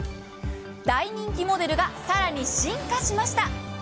大人気モデルが更に進化しました。